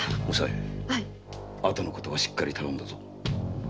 おさい後のことはしっかり頼んだぞ。